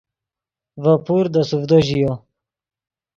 ڤے پور دے سوڤدو ژیو